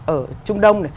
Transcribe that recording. ở trung đông